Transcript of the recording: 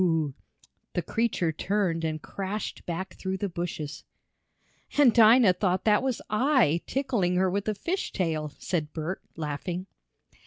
the creature turned and crashed back through the bushes. "And Dinah thought that was I, tickling her with a fish tail," said Bert, laughing.